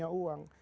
dia punya uang